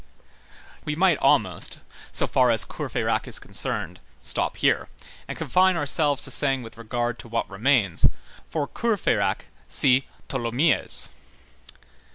We might almost, so far as Courfeyrac is concerned, stop here, and confine ourselves to saying with regard to what remains: "For Courfeyrac, see Tholomyès."